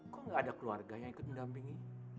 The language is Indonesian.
kok enggak ada keluarganya ikut mendampingi